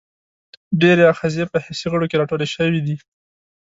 ډېری آخذې په حسي غړو کې را ټولې شوي دي.